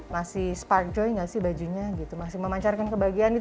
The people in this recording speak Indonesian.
masih spark joy gak sih bajunya gitu masih memancarkan kebahagiaan nih